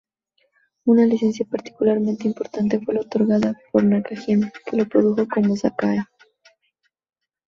Una licencia particularmente importante fue la otorgada a Nakajima, que lo produjo como Sakae.